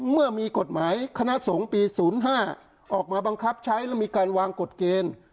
เมื่อมีกฎหมายคณะสงฆ์ปี๐๕ออกมาบังคับใช้แล้วมีการวางกฎเกณฑ์